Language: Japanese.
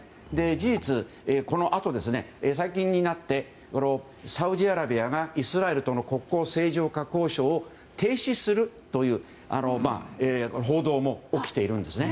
事実、このあと最近になってサウジアラビアがイスラエルとの国交正常化交渉を停止するという報道も起きているんですね。